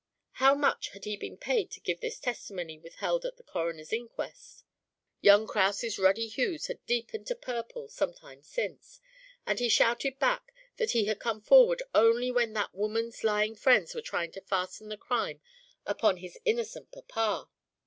How much had he been paid to give this testimony withheld at the coroner's inquest? Young Kraus' ruddy hues had deepened to purple some time since, and he shouted back that he had come forward only when that woman's lying friends were trying to fasten the crime upon his innocent papa.